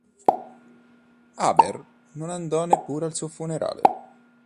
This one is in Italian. Haber non andò neppure al suo funerale.